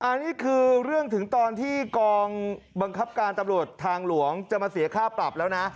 อันนี้คือเรื่องถึงตอนที่กองบังคับการตำรวจทางหลวงจะมาเสียค่าปรับแล้วนะ